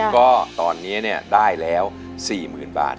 ก็ตอนนี้เนี่ยได้แล้ว๔มูลบาท